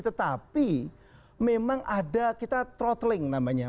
tetapi memang ada kita trottling namanya